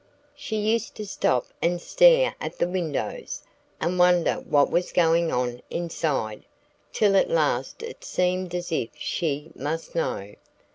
She used to stop and stare at the windows, and wonder what was going on inside, till at last it seemed as if she must know.